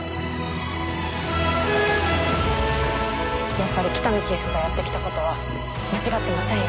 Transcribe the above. やっぱり喜多見チーフがやってきたことは間違ってませんよ